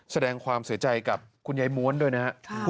แสดงความเสียใจกับคุณยายม้วนด้วยนะครับ